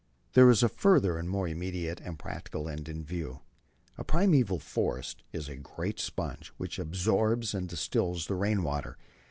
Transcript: "There is a further and more immediate and practical end in view. A primeval forest is a great sponge which absorbs and distills the rain water.